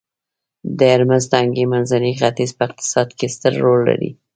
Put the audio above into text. د هرمرز تنګی منځني ختیځ په اقتصاد کې ستر رول لري